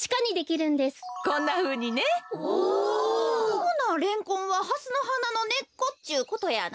ほなレンコンはハスのはなのねっこっちゅうことやな？